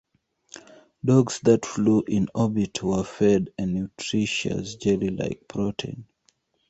Dogs that flew in orbit were fed a nutritious jelly-like protein.